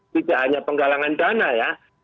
tidak hanya penggalangan dana ya